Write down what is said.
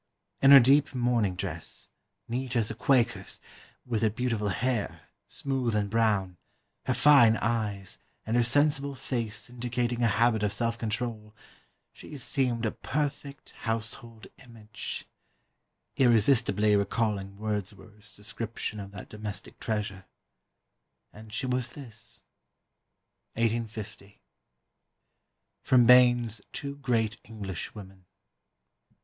In her deep mourning dress (neat as a Quaker's), with her beautiful hair, smooth and brown, her fine eyes, and her sensible face indicating a habit of self control, she seemed a perfect household image irresistibly recalling Wordsworth's description of that domestic treasure. And she was this." 1850. [Sidenote: Bayne's Two great Englishwomen.